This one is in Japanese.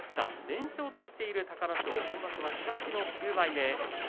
連勝としている隆の勝は東の９枚目。